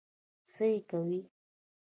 څه يې کوې؟